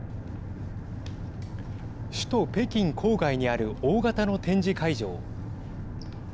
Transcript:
首都北京郊外にある大型の展示会場。